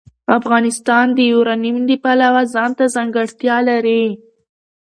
افغانستان د یورانیم د پلوه ځانته ځانګړتیا لري.